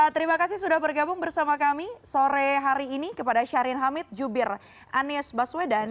terima kasih sudah bergabung bersama kami sore hari ini kepada syarin hamid jubir anies baswedan